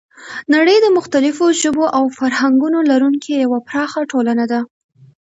نړۍ د مختلفو ژبو او فرهنګونو لرونکی یوه پراخه ټولنه ده.